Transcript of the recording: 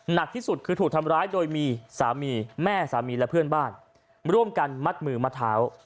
หนักที่สุดคือถูกทำร้ายโดยมีสามีแม่สามีและเพื่อนบ้านร่วมกันมัดมือมัดเท้า